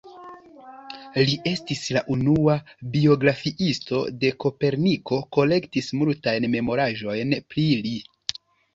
Li estis la unua biografiisto de Koperniko, kolektis multajn memoraĵojn pri li.